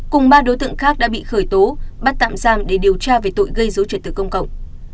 cùng ba đối tượng khác đã bị khởi tố bắt tạm giam để điều tra về tội gây dối trật tự công cộng